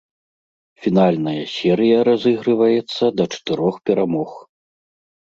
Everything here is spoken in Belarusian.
Фінальная серыя разыгрываецца да чатырох перамог.